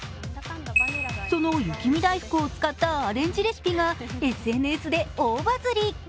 その雪見だいふくを使ったアレンジレシピがＳＮＳで大バズり。